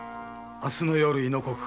明日の夜亥の刻